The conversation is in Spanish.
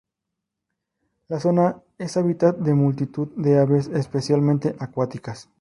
La zona es hábitat de multitud de aves, especialmente acuáticas.